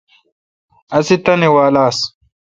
اسہ تانی وال آس۔